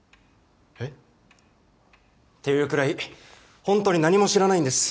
えっ？っていうくらいホントに何も知らないんです。